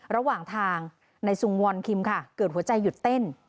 ระหว่างทางในซุงวอนคิมค่ะเกิดหัวใจหยุดเต้น